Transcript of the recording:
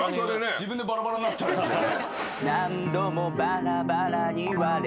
自分でバラバラになっちゃいましたね。